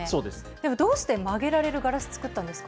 でもどうして、曲げられるガラス作ったんですか。